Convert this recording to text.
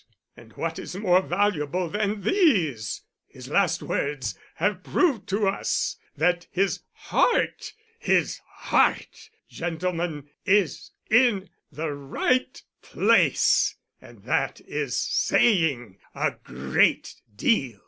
And what is more valuable than these, his last words have proved to us that his heart his heart, gentlemen is in the right place, and that is saying a great deal.